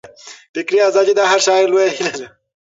فکري ازادي د هر شاعر لویه هیله ده.